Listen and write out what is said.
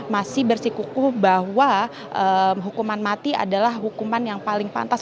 masih bersikuku bahwa hukuman mati adalah hukuman yang paling pantas